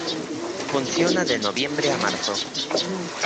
Funciona de noviembre a marzo.